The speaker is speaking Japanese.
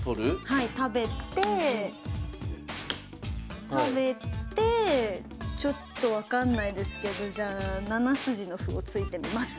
はい食べて食べてちょっと分かんないですけどじゃあ７筋の歩を突いてみます。